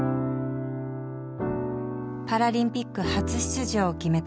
パラリンピック初出場を決めた。